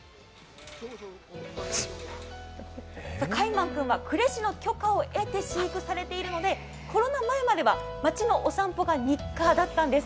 カイマン君は呉市の許可を得て飼育されているのでコロナ前までは街のお散歩が日課だったんです。